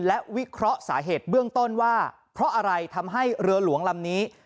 และวิเคราะห์สาเหตุเบื้องต้นว่าเพราะอะไรทำให้เรือหลวงลำนี้